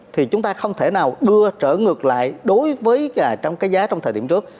thì chúng ta không thể nào đưa trở ngược lại đối với trong cái giá trong thời điểm trước